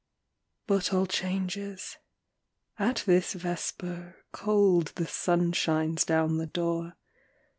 III. But all changes. At this vesper, Cold the sun shines down the door.